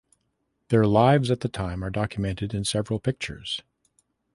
Their lives at the time are documented in several pictures.